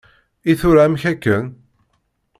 I tura amek akken?